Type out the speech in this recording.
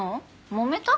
もめた？